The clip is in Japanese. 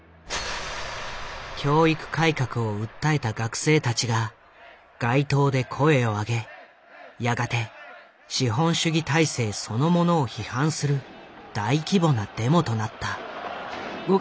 教育改革を訴えた学生たちが街頭で声を上げやがて資本主義体制そのものを批判する大規模なデモとなった。